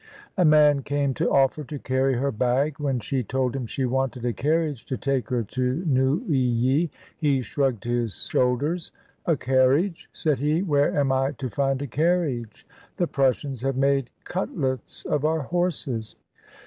A man came to offer to carry her bag; when she told him she wanted a carriage to take her to Neuilly, he shrugged his shoulders — "A carriage," said he; "where am I to find a carriage? the Prus sians have made cutlets of our horses."